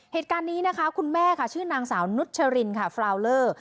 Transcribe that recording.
เหตุการณ์นี้คุณแม่ชื่อนางสาวนุชรินฟราวเลอร์